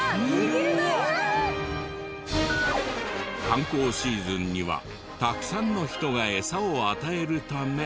観光シーズンにはたくさんの人がエサを与えるため。